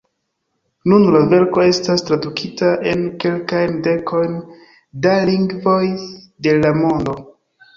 Nun la verko estas tradukita en kelkajn dekojn da lingvoj de la mondo.